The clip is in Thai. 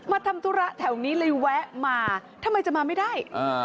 ทำธุระแถวนี้เลยแวะมาทำไมจะมาไม่ได้